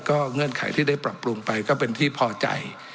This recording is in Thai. เงื่อนไขที่ได้ปรับปรุงไปก็เป็นที่พอใจ